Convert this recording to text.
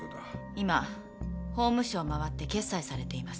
今法務省を回って決裁されています。